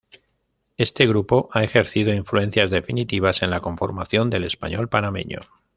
Este grupo ha ejercido influencias definitivas en la conformación del español panameño.